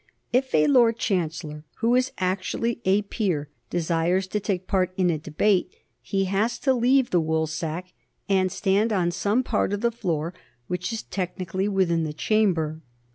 If a Lord Chancellor who is actually a peer desires to take part in a debate he has to leave the woolsack and stand on some part of the floor which is technically within the Chamber.